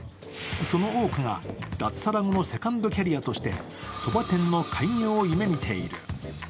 その多くが脱サラ後のセカンドキャリアとしてそば店の開業を夢見ている。